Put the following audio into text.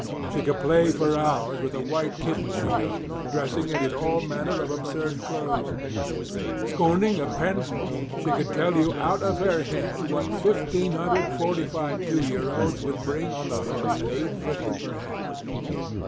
She could play for hours with a white kitten she owned, dressing it in all manner of absurd clothes. Scorning a pencil, she could tell you out of her head what 1545 two year olds would bring on the hoof, at $8.50 per head.